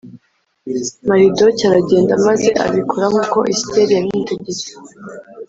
maridoke aragenda maze abikora nk’uko esitera yabimutegetse.